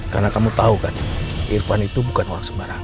karena kamu tahu kan irfan itu bukan orang sembarangan